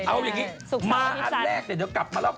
ถึงมาอันแรกเดี๋ยวกลับมาแล้ว